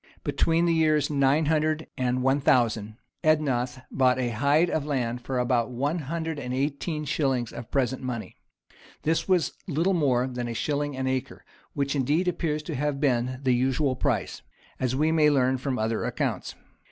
[] Between the years 900 and 1000, Ednoth bought a hide of land for about one hundred and eighteen shillings of present money.[] This was little more than a shilling an acre, which indeed appears to have been the usual price, as we may learn from other accounts.